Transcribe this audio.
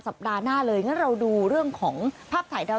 สัปดาห์หน้าเลยง่านเราดูเรื่องของภาพถ่ายดาวเทียม